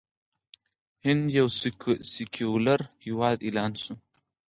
هند یو سیکولر هیواد اعلان شو.